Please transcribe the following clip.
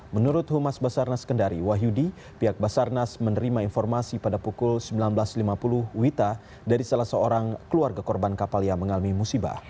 menurut humas basarnas kendari wahyudi pihak basarnas menerima informasi pada pukul sembilan belas lima puluh wita dari salah seorang keluarga korban kapal yang mengalami musibah